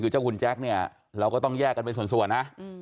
คือเจ้าคุณแจ๊คเนี่ยเราก็ต้องแยกกันเป็นส่วนนะ